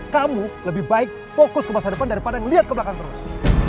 kamu lebih baik fokus ke masa depan daripada ngelihat ke belakang terus